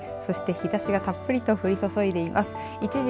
そして日ざしがたっぷりと降り注いでいます。